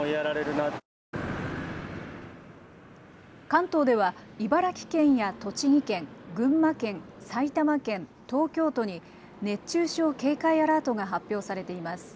関東では茨城県や栃木県、群馬県、埼玉県、東京都に熱中症警戒アラートが発表されています。